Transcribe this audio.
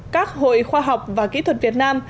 các hội khoa học và kỹ thuật việt nam